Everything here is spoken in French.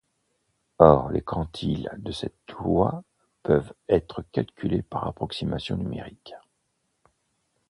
Or les quantiles de cette loi peuvent être calculés par approximation numérique.